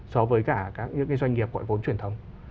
so với cả các doanh nghiệp gọi vốn truyền thống